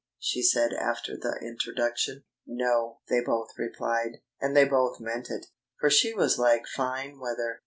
she said after the introduction. "No," they both replied. And they both meant it. For she was like fine weather.